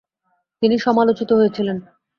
তিনি সমালোচিত হয়েছিলেন।